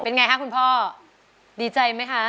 ไงคะคุณพ่อดีใจไหมคะ